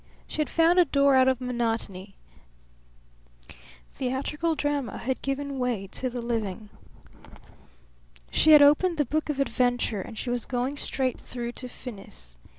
She had found a door out of monotony; theatrical drama had given way to the living. She had opened the book of adventure and she was going straight through to finis.